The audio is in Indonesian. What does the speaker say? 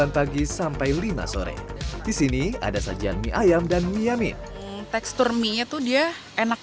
sembilan pagi sampai lima sore di sini ada sajian mie ayam dan mi yamin teksturnya tuh dia enak